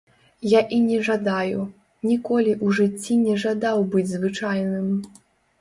Я і не жадаю, ніколі ў жыцці не жадаў быць звычайным.